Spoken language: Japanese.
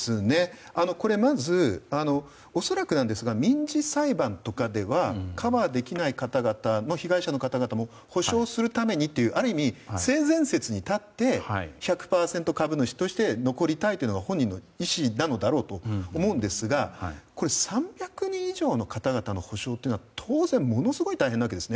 まず、恐らくなんですが民事裁判とかではカバーできない被害者の方々も補償するためにというある意味性善説に立って１００％株主として残りたいというのが本人の意思だろうと思うんですが、３００人以上の方々の補償というのは当然ものすごい大変なわけです。